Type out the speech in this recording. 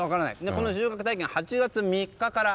この収穫体験は８月３日から。